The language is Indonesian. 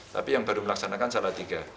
tapi yang baru melaksanakan salatiga